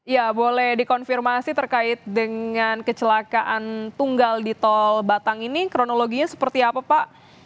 ya boleh dikonfirmasi terkait dengan kecelakaan tunggal di tol batang ini kronologinya seperti apa pak